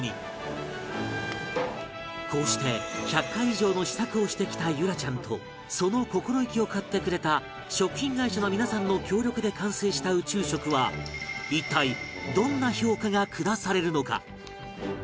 こうして１００回以上の試作をしてきた結桜ちゃんとその心意気を買ってくれた食品会社の皆さんの協力で完成した宇宙食は一体どんな評価が下されるのか？